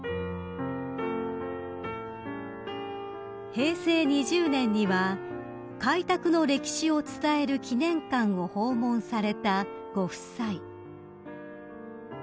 ［平成２０年には開拓の歴史を伝える記念館を訪問されたご夫妻］